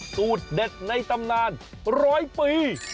สูตรเด็ดในตำนานร้อยปี